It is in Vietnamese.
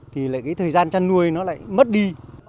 thì thời gian chăn nuôi lại mất đi